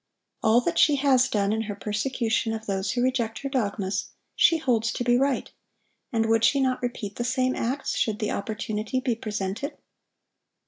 All that she has done in her persecution of those who reject her dogmas, she holds to be right; and would she not repeat the same acts, should the opportunity be presented?